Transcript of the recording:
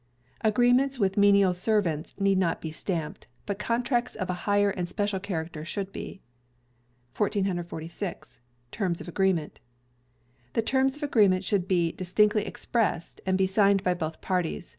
Agreements with menial servants need not be stamped; but contracts of a higher and special character should be. 1446. Terms of Agreement. The Terms of an Agreement should be distinctly expressed, and be signed by both parties.